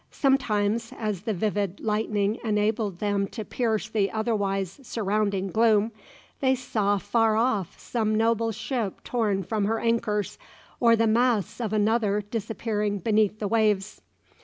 Sometimes, as the vivid lightning enabled them to pierce the otherwise surrounding gloom, they saw far off some noble ship torn from her anchors, or the masts of another disappearing beneath the waves.